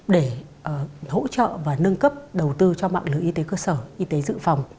để hỗ trợ và nâng cấp đầu tư cho mạng lưới y tế cơ sở y tế dự phòng